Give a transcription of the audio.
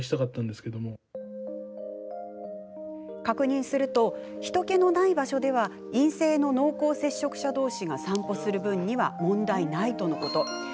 確認すると、人けのない場所では陰性の濃厚接触者どうしが散歩する分には問題ないとのこと。